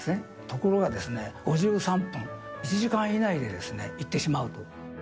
ところがですね、５３分、１時間以内で行ってしまうと。